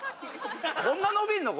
こんな伸びんの？